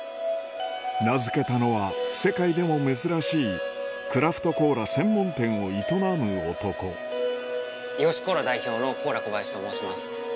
名付けたのは世界でも珍しいクラフトコーラ専門店を営む男伊良コーラ代表のコーラ小林と申します。